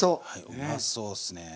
うまそうっすね。